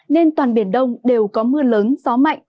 nên toàn biển đông đều có mưa lớn gió mạnh